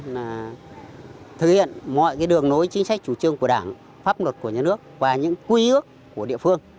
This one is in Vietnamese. là thực hiện mọi cái đường nối chính sách chủ trương của đảng pháp luật của nhà nước và những quy ước của địa phương